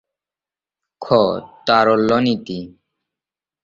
খ. তারল্য নীতি